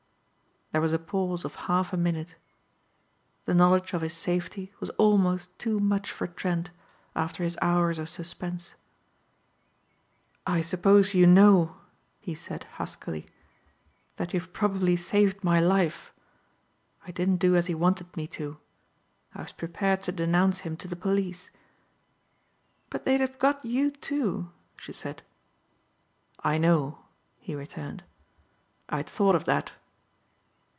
There was a pause of half a minute. The knowledge of his safety was almost too much for Trent after his hours of suspense. "I suppose you know," he said huskily, "that you've probably saved my life. I didn't do as he wanted me to. I was prepared to denounce him to the police." "But they'd have got you, too," she said. "I know," he returned. "I'd thought of that."